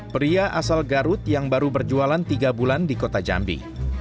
pria asal garut yang baru berjualan tiga bulan di kota jambi